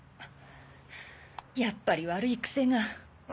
やっぱり悪い癖が。